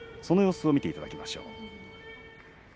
その様子をご覧いただきましょう。